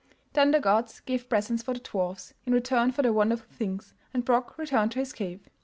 Then the gods gave presents for the dwarfs in return for their wonderful things, and Brok returned to his cave.